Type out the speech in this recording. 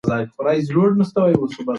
د ناوي کور ته جوړې او سوغاتونه وروړي